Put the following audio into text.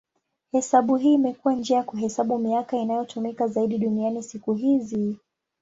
Hesabu hii imekuwa njia ya kuhesabu miaka inayotumika zaidi duniani siku hizi.